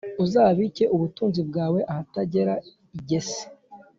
Uzabike ubutunzi bwawe ahatagera igesi